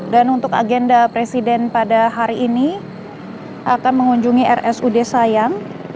dan untuk agenda presiden pada hari ini akan mengunjungi rsud sayang